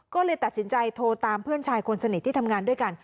ก็เลยตัดสินใจโทรตามเพื่อนชายคนสนิทที่ทำงานด้วยกัน